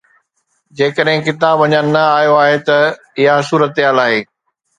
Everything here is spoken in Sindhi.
جيڪڏهن ڪتاب اڃا نه آيو آهي ته اها صورتحال آهي.